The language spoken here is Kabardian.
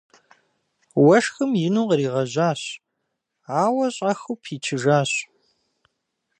Уэшхым ину къригъэжьащ, ауэ щӏэхыу пичыжащ.